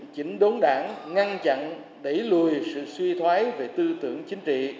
chỉnh đốn đảng ngăn chặn đẩy lùi sự suy thoái về tư tưởng chính trị